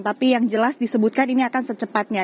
tapi yang jelas disebutkan ini akan secepatnya